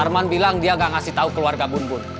arman bilang dia nggak ngasih tau keluarga bun bun